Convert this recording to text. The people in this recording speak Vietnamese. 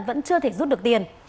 vẫn chưa thể rút được tiền